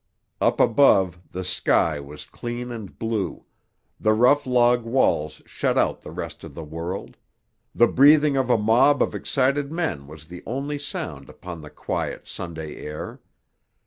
Up above, the sky was clean and blue; the rough log walls shut out the rest of the world; the breathing of a mob of excited men was the only sound upon the quiet Sunday air.